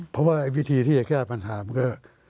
เพราะว่าวิธีที่จะแก้ปัญหามันก็